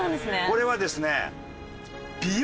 これはですね。